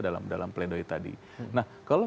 dalam pledo tadi nah kalau